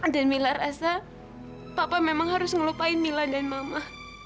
dan mila rasa papa memang harus ngelupain mila dan mama